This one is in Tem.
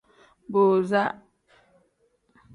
Booza.